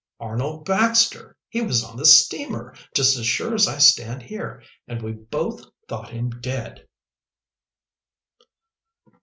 "Arnold Baxter! He was on the steamer, just as sure as I stand here. And we both thought him dead!"